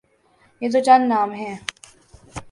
یہ تو چند نام ہیں۔